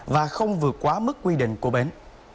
và không vượt quá mức quy định của bến